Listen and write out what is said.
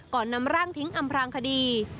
นำร่างทิ้งอำพลางคดี